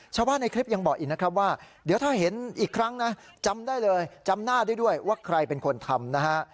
ชาวบ้านในคลิปยังบอกอีกนะครับว่าเดี๋ยวถ้าเห็นอีกครั้งนะจำได้เลยจำหน้าได้ด้วยว่าใครเป็นคนทำนะฮะ